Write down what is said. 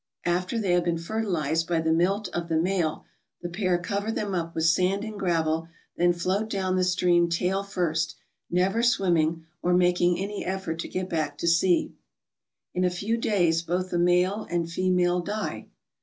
Aftxt they have been fertilized by the milt of the male, the pair cover them up with sand and gravel, then float down the stream tail first, never swimming or making any effort to get back to sea. In a few days both the male and female die.